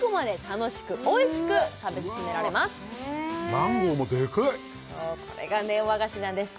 マンゴーもデカいそうこれがネオ和菓子なんです